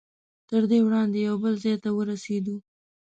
تر دې وړاندې یو بل ځای ته ورسېدو.